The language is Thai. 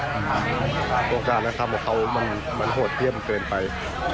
โปรดสารและทำให้เขามันโหดเพี้ยมเกินไป